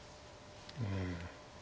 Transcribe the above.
うん。